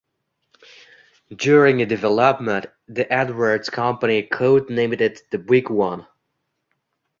During development, the Edwards company code-named it "The Big One".